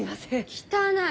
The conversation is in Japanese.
汚い。